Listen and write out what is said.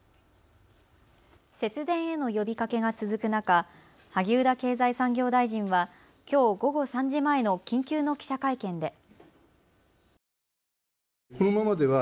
節電への呼びかけが続く中、萩生田経済産業大臣は、きょう午後３時前の緊急の記者会見で。